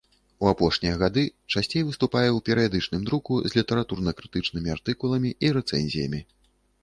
У апошнія гады часцей выступае ў перыядычным друку з літаратурна-крытычнымі артыкуламі і рэцэнзіямі.